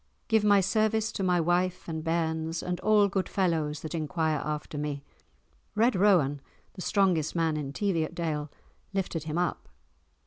Give my service to my wife and bairns and all good fellows that enquire after me." Red Rowan, the strongest man in Teviotdale, lifted him up.